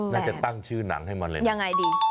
จะตั้งชื่อหนังให้มันเลยยังไงดี